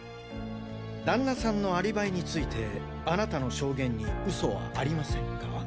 旦那さんのアリバイについてあなたの証言に嘘はありませんか？